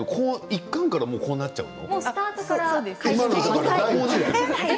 １巻からこうなっちゃうの？